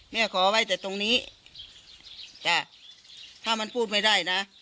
ขอไว้แต่ตรงนี้จ้ะถ้ามันพูดไม่ได้นะ